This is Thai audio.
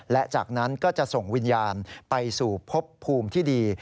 และจากนั้นก็จะส่งวิญญาณไปสู่พบภูมิที่ดี